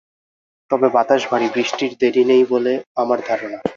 তবে বাতাস ভারি, বৃষ্টির দেরি নেই বলে আমার ধারণা।